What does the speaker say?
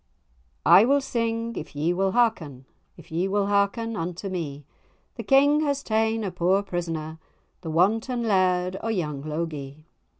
I will sing, if ye will hearken, If ye will hearken unto me; The King has ta'en a poor prisoner, The wanton laird o' young Logie.